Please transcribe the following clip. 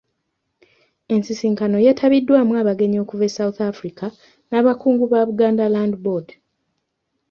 Ensisinkano yeetabiddwamu abagenyi okuva e South Africa n'Abakungu ba Buganda Land Board.